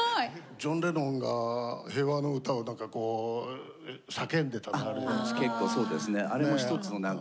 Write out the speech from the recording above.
ジョン・レノンが平和の歌をなんかこう叫んでたのあるじゃないですか。